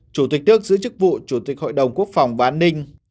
chủ tịch tước giữ chức vụ chủ tịch hội đồng quốc phòng và an ninh